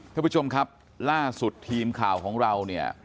ทุกผู้ชมครับล่าสุดทีมข่าวของเรา